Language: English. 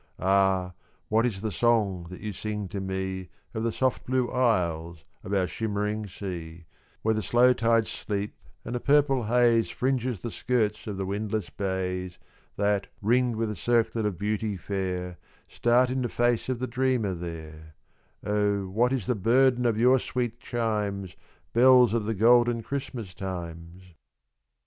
Ah, what is the song that you sing to me Of the soft blue isles of our shimmering sea, Where the slow tides sleep, and a purple haze Fringes the skirts of the windless bays, That, ringed with a circlet of beauty fair, Start in the face of the dreamer there; O, what is the burden of your sweet chimes, Bells of the golden Christmas times?